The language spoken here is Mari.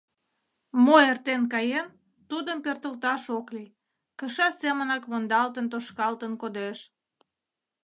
Мо эртен каен, тудым пӧртылташ ок лий, кыша семынак мондалтын-тошкалтын кодеш.